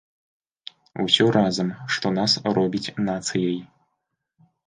Усё разам, што нас робіць нацыяй.